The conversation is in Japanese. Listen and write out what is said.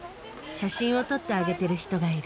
写真を撮ってあげてる人がいる。